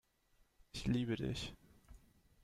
Ich liebe Dich.